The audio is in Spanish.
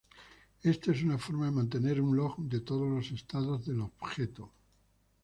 Esto es una forma de mantener un log de todos los estados del objeto.